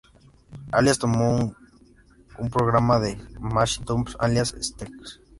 Alias tomó un programa de Macintosh, "Alias Sketch!